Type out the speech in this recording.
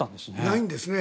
ないんですね。